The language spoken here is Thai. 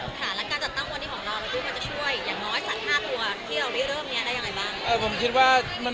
แล้วการจัดตั้งวันนี้ของเรามันจะช่วยอย่างน้อยสัตว์๕ตัวที่เราวิวเริ่มนี้ได้อย่างไรบ้าง